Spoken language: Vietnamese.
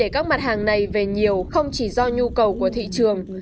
các mặt hàng này về nhiều không chỉ do nhu cầu của thị trường